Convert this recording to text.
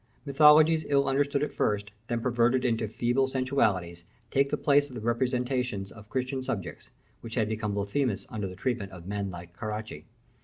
Mythologies ill understood at first, then perverted into feeble sensualities, take the place of the representations of Christian subjects, which had become blasphemous under the treatment of men like the Caracci.